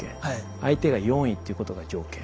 相手が４位っていうことが条件。